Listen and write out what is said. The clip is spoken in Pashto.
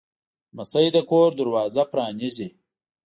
لمسی د کور دروازه پرانیزي.